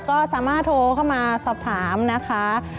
ก็สามารถโทรเข้ามาสอบถามนะคะ